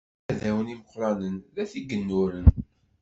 Iɛdawen imeqqranen d at igennuren.